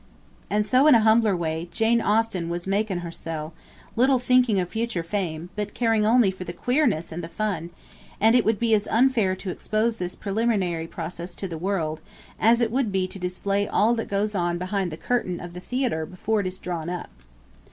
And so, in a humbler way, Jane Austen was 'makin' hersell,' little thinking of future fame, but caring only for 'the queerness and the fun;' and it would be as unfair to expose this preliminary process to the world, as it would be to display all that goes on behind the curtain of the theatre before it is drawn up.